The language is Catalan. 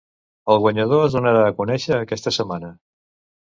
El guanyador es donarà a conèixer aquesta setmana.